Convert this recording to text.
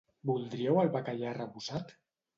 Voldríeu el bacallà arrebossat?